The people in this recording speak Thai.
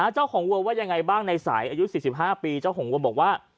เจ้าของวัวว่ายังไงบ้างในสายอายุ๔๕ปีเจ้าของวัวบอกว่า